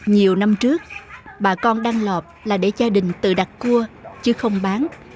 nhiều năm trước bà con đăng lợp là để gia đình tự đặt cua chứ không bán